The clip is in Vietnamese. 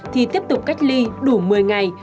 thì tiếp tục cách ly đủ một mươi ngày